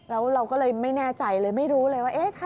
แล้วเราก็เลยไม่แน่ใจเลยไม่รู้เลยว่า